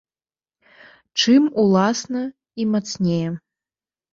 Чым, уласна, і мацнее.